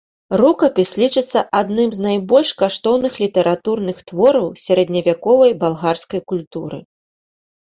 Рукапіс лічыцца адным з найбольш каштоўных літаратурных твораў сярэдневяковай балгарскай культуры.